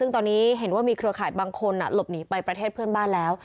ซึ่งตอนนี้เห็นว่ามีเครือข่ายบางคนหลบหนีไปประเทศเพื่อนบ้านแล้ว